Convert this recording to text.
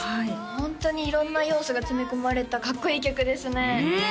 ホントに色んな要素が詰め込まれたかっこいい曲ですねねえ